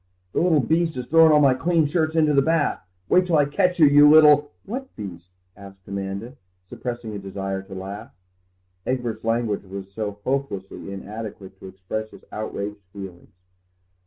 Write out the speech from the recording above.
"The little beast has thrown all my clean shirts into the bath! Wait till I catch you, you little—" "What little beast?" asked Amanda, suppressing a desire to laugh; Egbert's language was so hopelessly inadequate to express his outraged feelings.